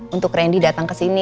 untuk randy datang kesini